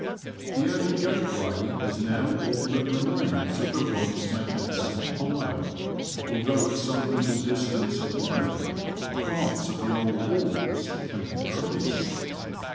The Abbey gateway is now all that remains of the once magnificent pile, although at some little distance away parts of the old walls can be traced.